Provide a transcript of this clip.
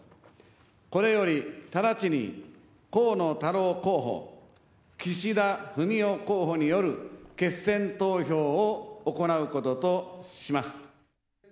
これより、直ちに、河野太郎候補、岸田文雄候補による決選投票を行うこととします。